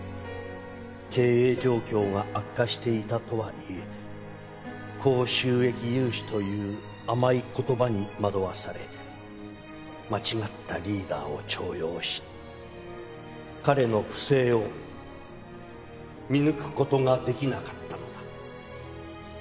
「経営状況が悪化していたとは言え高収益融資という甘い言葉に惑わされ間違ったリーダーを重用し彼の不正を見抜く事ができなかったのだ」